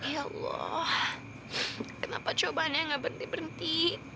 ya allah kenapa cobaannya nggak berhenti berhenti